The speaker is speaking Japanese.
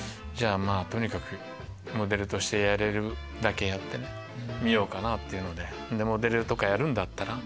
とにかくモデルとしてやれるだけやってみようかなって。